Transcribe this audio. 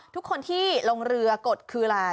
ทุกคนที่ลงเรือกดคืออะไร